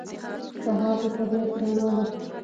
سهار د طبیعت رڼا ده.